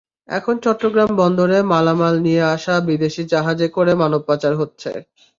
এখন চট্টগ্রাম বন্দরে মালামাল নিয়ে আসা বিদেশি জাহাজে করে মানব পাচার হচ্ছে।